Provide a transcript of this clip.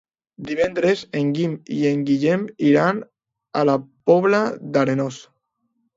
Divendres en Guim i en Guillem iran a la Pobla d'Arenós.